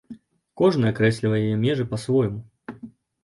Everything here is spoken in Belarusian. Кожны акрэслівае яе межы па-свойму.